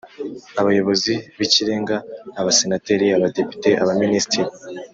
Abayobozi b Ikirenga Abasenateri Abadepite Abaminisitiri